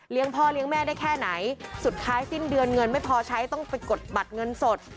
พ่อเลี้ยงแม่ได้แค่ไหนสุดท้ายสิ้นเดือนเงินไม่พอใช้ต้องไปกดบัตรเงินสด